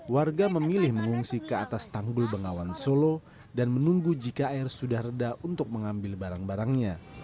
warga memilih mengungsi ke atas tanggul bengawan solo dan menunggu jika air sudah reda untuk mengambil barang barangnya